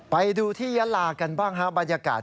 ไปดูที่ยาลากันบ้างฮะบรรยากาศ